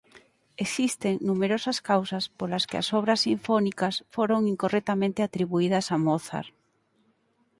Existen numerosas causas polas que as obras sinfónicas foron incorrectamente atribuídas a Mozart.